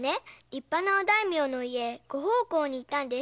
立派なお大名の家へご奉公に行ったんです。